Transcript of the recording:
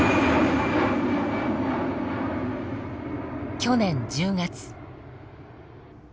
去年１０月。